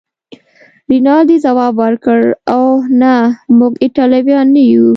رینالډي ځواب ورکړ: اوه، نه، موږ ایټالویان نه یو.